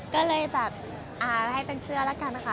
ก็เลยแบบให้เป็นเสื้อแล้วกันนะคะ